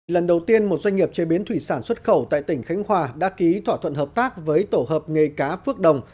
lần đầu tiên một doanh nghiệp chế biến thủy sản xuất khẩu tại tỉnh khánh hòa đã ký thỏa thuận hợp tác với tổ hợp nghề cá phước đồng